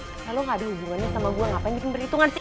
kalau lo gak ada hubungannya sama gue ngapain bikin perhitungan sih